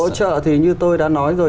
sự hỗ trợ thì như tôi đã nói rồi